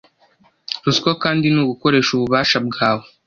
Ruswa kandi ni ugukoresha ububasha bwawe